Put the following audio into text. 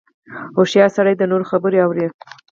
• هوښیار سړی د نورو خبرې اوري.